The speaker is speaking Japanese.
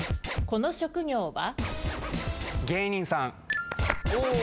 この職業は？